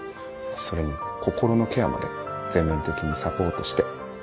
それに心のケアまで全面的にサポートして。